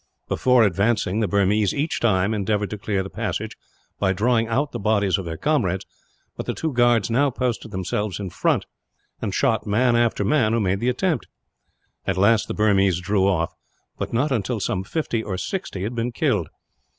Before advancing the Burmese, each time, endeavoured to clear the passage by drawing out the bodies of their comrades; but the two guards now posted themselves in front, and shot man after man who made the attempt. At last the Burmese drew off, but not till some fifty or sixty had been killed.